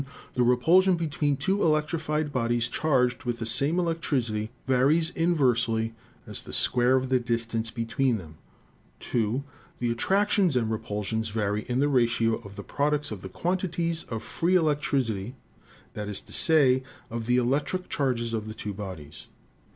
The repulsion between two electrified bodies charged with the same electricity varies inversely as the square of the distance between them. 2. The attractions and repulsions vary in the ratio of i6o ELECTRICITY the products of the quantities of free electricity — that is to say, of the electric charges of the two bodies.